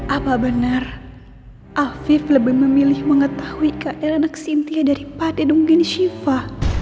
apa benar afif lebih memilih mengetahui kl naksintia daripada nungguin siva